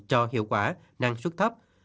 cho hiệu quả năng suất thấp